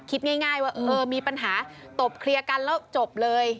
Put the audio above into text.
คิดง่ายว่าเออมีปัญหาตบเคลียร์กันแล้วจบเลย